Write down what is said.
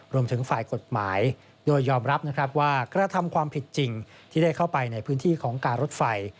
รวมถึงฝ่ายกฎหมายโดยยอมรับนะครับว่ากระทำความผิดจริงที่ได้เข้าไปในพื้นที่ของการรถไฟ